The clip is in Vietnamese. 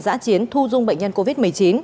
giã chiến thu dung bệnh nhân covid một mươi chín